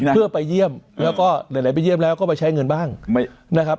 เพื่อไปเยี่ยมแล้วก็หลายไปเยี่ยมแล้วก็ไปใช้เงินบ้างนะครับ